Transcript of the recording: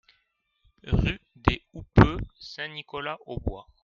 Rue des Houppeux, Saint-Nicolas-aux-Bois